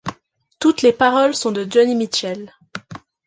Toutes les paroles sont de Joni Mitchell.